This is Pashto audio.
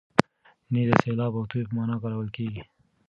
نیز د سیلاب او توی په مانا کارول کېږي.